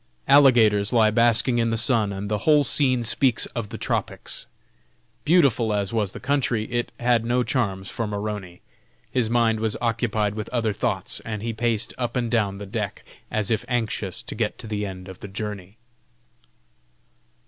Alligators lie basking in the sun, and the whole scene speaks of the tropics. Beautiful as was the country, it had no charms for Maroney. His mind was occupied with other thoughts, and he paced up and down the deck as if anxious to get to the end of his journey.